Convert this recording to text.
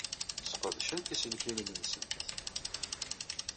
Sqedcent iselkimen-nsent.